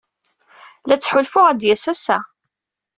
La ttḥulfuɣ ad d-yas ass-a.